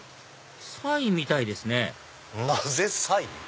サイみたいですねなぜサイ？